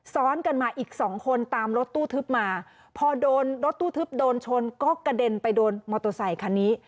ซ้อนกันมาอีกสองคนตามรถตู้ทึบมาพอโดนรถตู้ทึบโดนชนก็กระเด็นไปโดนมอเตอร์ไซคันนี้